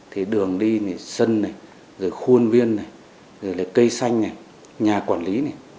thì đường đi thì sân này rồi khuôn viên này rồi là cây xanh này